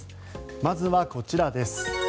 まずはこちらです。